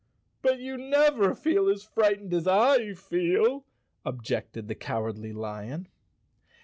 "But you never felt as frightened as I feel," ob¬ jected the Cowardly Lion.